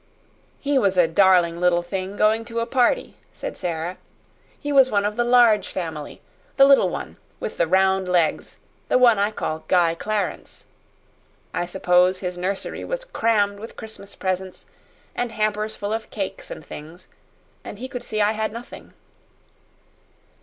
"He was a darling little thing going to a party," said Sara. "He was one of the Large Family, the little one with the round legs the one I call Guy Clarence. I suppose his nursery was crammed with Christmas presents and hampers full of cakes and things, and he could see I had nothing."